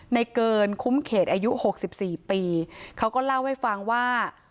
เกินคุ้มเขตอายุหกสิบสี่ปีเขาก็เล่าให้ฟังว่า